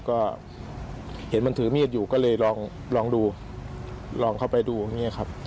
ก็เห็นมันถือมีดอยู่ก็เลยลองดูลองเข้าไปดูอย่างนี้ครับ